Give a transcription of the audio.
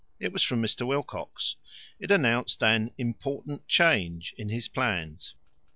It was from Mr. Wilcox. It announced an "important change" in his plans.